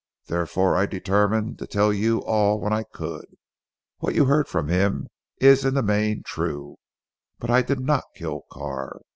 Therefore I determined to tell you all when I could. What you heard from him is in the main true. But I did not kill Carr.